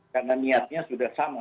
karena niatnya sudah sama